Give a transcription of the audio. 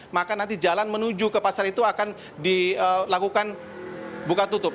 maka nanti jalan menuju ke pasar itu akan dilakukan buka tutup